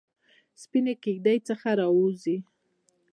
سپینې کیږ دۍ څخه راووزي